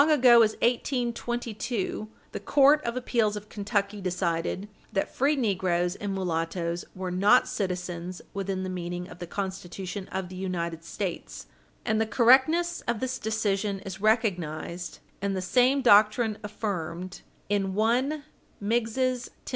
413 And as long ago as 1822, the Court of Appeals of Kentucky decided that free negroes and mulattoes were not citizens within the meaning of the Constitution of the United States, and the correctness of this decision is recognized, and the same doctrine affirmed, in 1 Meigs's Tenn.